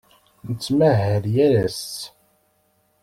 Nettmahal yal ass.